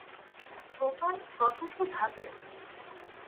গোপাল কত কী ভাবে।